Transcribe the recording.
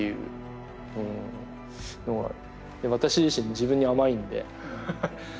私自身自分に甘いのでハハ。